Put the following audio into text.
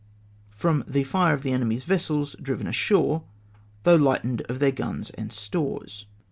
From the fire of the enemy's vessels driven ashore (though hghtened of their guns and stores).